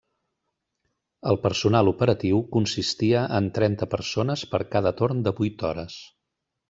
El personal operatiu consistia en trenta persones per cada torn de vuit hores.